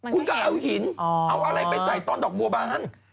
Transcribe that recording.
คุณก็เอาหินเอาอะไรไปใส่ตอนดอกบัวบาน